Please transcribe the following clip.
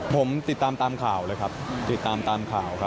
ผมติดตามตามข่าวเลยครับติดตามตามข่าวครับ